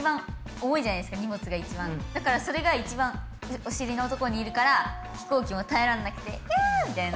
だからそれがいちばんお尻のところにいるから飛行機も耐えられなくてひゃみたいな。